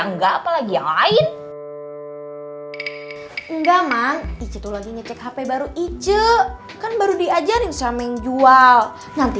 enggak apalagi lain enggak man itu lagi ngecek hp baru itu kan baru diajarin sama yang jual nanti